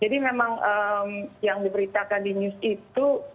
jadi memang yang diberitakan di news itu